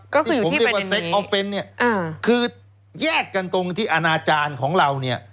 ก็คืออยู่ที่บรรยีนี้คือแยกกันตรงที่อราจารย์ของเรานี่